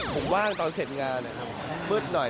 ผมว่างตอนเสร็จงานนะครับมืดหน่อย